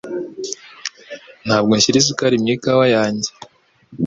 Ntabwo nshyira isukari mu ikawa yanjye.